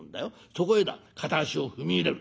そこへだ片足を踏み入れる。